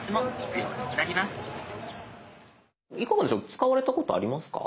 使われたことありますか？